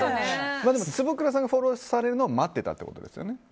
坪倉さんがフォローされるのを待っていたということですよね。